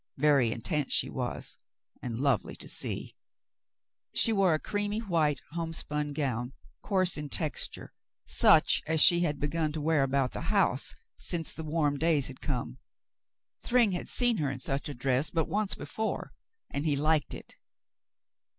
Very intent she was, and lovely to see. She wore a creamy white homespun gown, coarse in texture, such as she had begun to wear about the house since the warm days had come. Thryng had seen her in such a dress but once before, and he liked it.